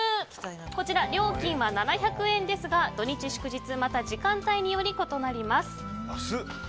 こちら料金は７００円ですが土日祝日、また時間帯により異なります。